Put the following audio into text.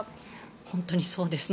本当にそうですね。